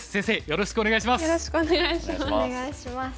よろしくお願いします。